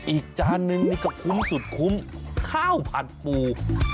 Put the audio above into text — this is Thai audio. จานนึงนี่ก็คุ้มสุดคุ้มข้าวผัดปู